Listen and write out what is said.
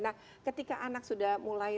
nah ketika anak sudah mulai